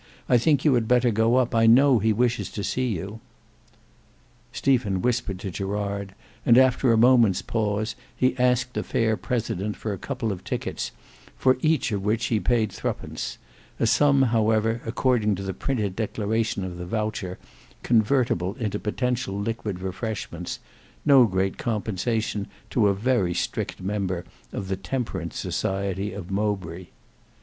I think you had better go up. I know he wishes to see you." Stephen whispered to Gerard and after a moment's pause, he asked the fair president for a couple of tickets for each of which he paid threepence; a sum however, according to the printed declaration of the voucher, convertible into potential liquid refreshments, no great compensation to a very strict member of the Temperance Society of Mowbray.